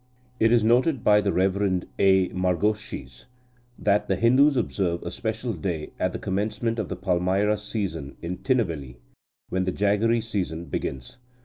It is noted by the Rev. A. Margöschis that "the Hindus observe a special day at the commencement of the palmyra season (in Tinnevelly), when the jaggery season begins.